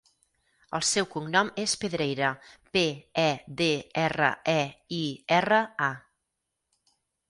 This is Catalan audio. El seu cognom és Pedreira: pe, e, de, erra, e, i, erra, a.